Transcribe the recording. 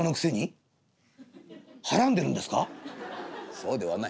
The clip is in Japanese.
「そうではない。